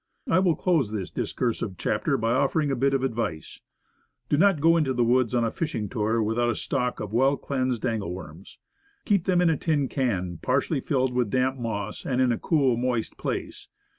I will close this discursive chapter by offering a bit of advice. Do not go into the woods on a fishing tour without a stock of well cleansed angle worms. Keep them in a tin can partly filled with damp moss, and in a cool, moist place.